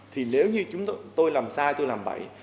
thì nếu như tôi làm sai tôi làm bậy